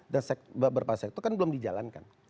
dan beberapa sektor kan belum dijalankan